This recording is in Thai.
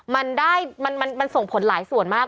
มันส่งผลหลายส่วนมาก